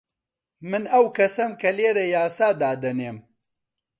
من ئەو کەسەم کە لێرە یاسا دادەنێم.